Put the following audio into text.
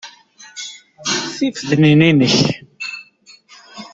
Tifednin-a inek?